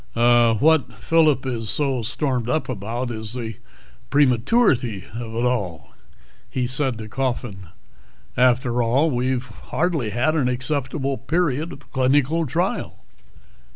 "What Phillip is so stormed up about is the prematurity of it all," he said to Coffin. "After all, we've hardly had an acceptable period of clinical trial."